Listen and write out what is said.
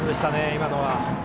今のは。